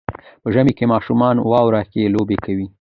په ژمي کې ماشومان واوره کې لوبې کوي.